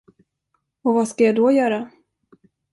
Och vad skall jag då göra?